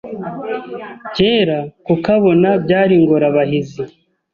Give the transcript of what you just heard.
Kera kukabona byari ingorabahizi